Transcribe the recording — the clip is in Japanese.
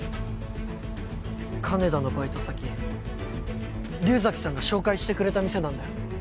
金田のバイト先竜崎さんが紹介してくれた店なんだよ。